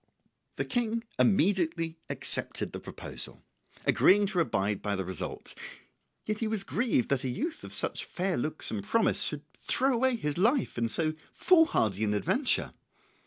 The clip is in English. The King immediately accepted the proposal, agreeing to abide by the result; yet was he grieved that a youth of such fair looks and promise should throw away his life in so foolhardy an adventure.